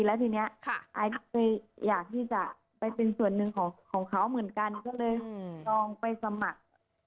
แล้วทีนี้ไอซ์เคยอยากที่จะไปเป็นส่วนหนึ่งของเขาเหมือนกันก็เลยลองไปสมัคร